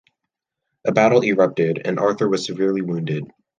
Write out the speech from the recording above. A battle erupted, and Arthur was severely wounded.